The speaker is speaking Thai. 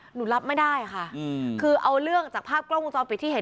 หนูรับไม่ได้ค่ะคือเอาเรื่องจากภาพกล้องวงจรปิดที่เห็น